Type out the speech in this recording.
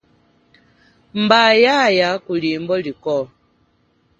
Mba, yaaya kulimbo likwo.